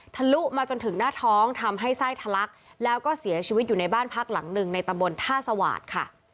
ลุมาจนถึงหน้าท้องทำให้ไส้ทะลักแล้วก็เสียชีวิตอยู่ในบ้านพักหลังหนึ่งในตำบลท่าสวาสตร์ค่ะ